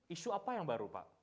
isu apa yang baru pak